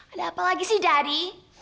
ada apa lagi sih dari